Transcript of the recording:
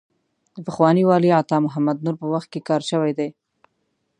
د پخواني والي عطا محمد نور په وخت کې کار شوی دی.